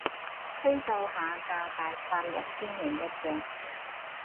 批鬥下架大法率先贏一仗